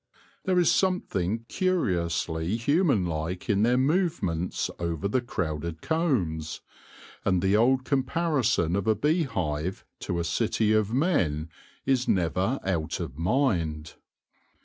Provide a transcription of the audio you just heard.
There is something curiously human like in their movements over the crowded combs, and the old comparison of a bee hive to a city of men is never out of mind.